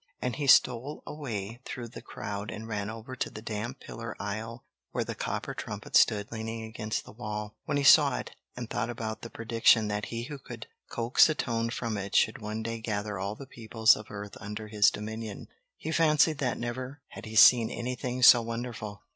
And he stole away through the crowd and ran over to the damp pillar aisle where the copper trumpet stood leaning against the wall. When he saw it, and thought about the prediction that he who could coax a tone from it should one day gather all the peoples of earth under his dominion, he fancied that never had he seen anything so wonderful!